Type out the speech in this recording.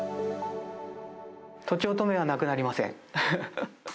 とちおとめはなくなりません。